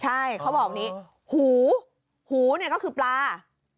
ใช่เขาบอกแบบนี้หูหูเนี่ยก็คือปลา